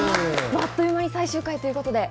あっという間に最終回ということで。